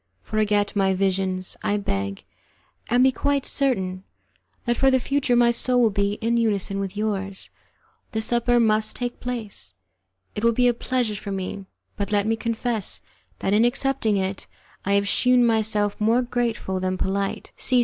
Forget my visions, I beg, and be quite certain that for the future my soul will be in unison with yours. The supper must take place, it will be a pleasure for me, but let me confess that in accepting it I have shewn myself more grateful than polite.